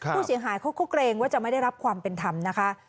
ผู้เสียหายเขาก็เกรงว่าจะไม่ได้รับความเป็นธรรมนะคะ